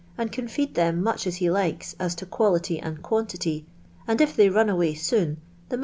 and can feed them much as he liki 5 an to ipialiiy and quantity : and if they run aw.iy noun, the ma.